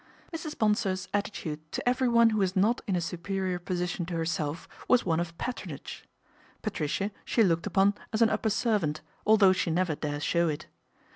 Mrs. Bonsor's attitude to everyone who was not in a superior position to herself was one of patron age. Patricia she looked upon as an upper servant, although she never dare show it.